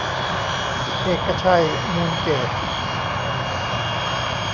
เอกชัย มูลเกษ